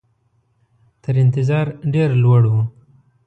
تر انتظار ډېر لوړ وو.